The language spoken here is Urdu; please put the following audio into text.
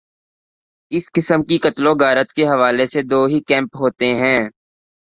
اس قسم کی قتل وغارت کے حوالے سے دو ہی کیمپ ہوتے ہیں۔